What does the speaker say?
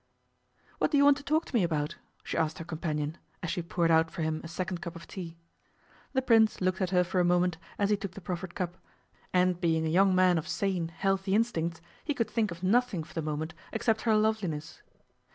'What do you want to talk to me about?' she asked her companion, as she poured out for him a second cup of tea. The Prince looked at her for a moment as he took the proffered cup, and being a young man of sane, healthy, instincts, he could think of nothing for the moment except her loveliness.